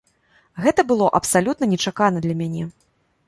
Гэта было абсалютна нечакана для мяне.